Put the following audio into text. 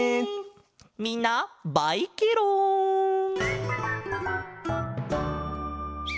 みんなバイケロン！